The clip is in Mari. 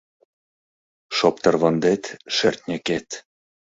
Шоптырвондет — шӧртньыкет.